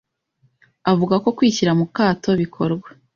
avuga ko kwishyira mu kato bikorwa